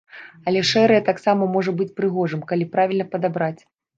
Але шэрае таксама можа быць прыгожым, калі правільна падабраць.